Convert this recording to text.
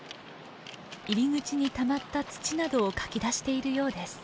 入り口にたまった土などをかき出しているようです。